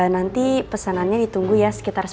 nanti pesanannya ditunggu ya sekitar sepuluh menit